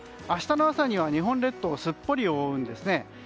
明日の朝には日本列島をすっぽり覆うんですね。